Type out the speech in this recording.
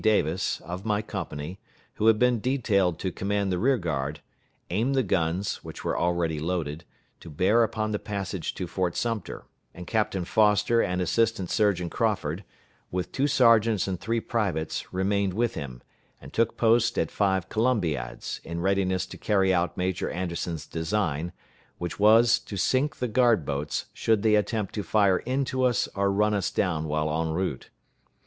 Davis, of my company, who had been detailed to command the rear guard, aimed the guns, which were already loaded, to bear upon the passage to Fort Sumter, and Captain Foster and Assistant surgeon Crawford, with two sergeants and three privates, remained with him, and took post at five columbiads, in readiness to carry out Major Anderson's design, which was to sink the guard boats, should they attempt to fire into us or run us down while en route.